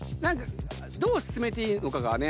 どう進めていいのかがね。